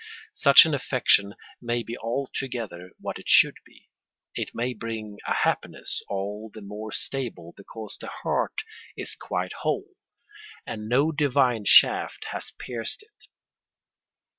Such an affection may be altogether what it should be; it may bring a happiness all the more stable because the heart is quite whole, and no divine shaft has pierced it.